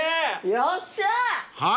よっしゃー！